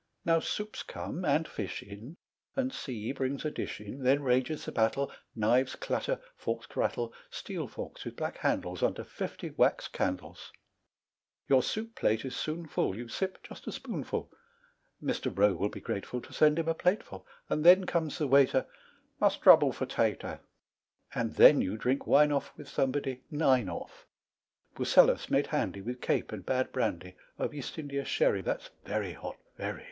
Now soups come and fish in, And C brings a dish in; Then rages the battle, Knives clatter, forks rattle, Steel forks with black handles, Under fifty wax candles; Your soup plate is soon full, You sip just a spoonful. Mr. Roe will be grateful To send him a plateful; And then comes the waiter, "Must trouble for tater"; And then you drink wine off With somebody nine off; Bucellas made handy, With Cape and bad Brandy, Of East India Sherry, That's very hot very!